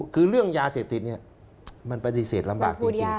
คือเรื่องยาเสพติดเนี่ยมันปฏิเสธลำบากจริง